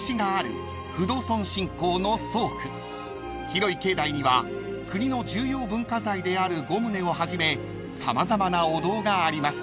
［広い境内には国の重要文化財である５棟をはじめ様々なお堂があります］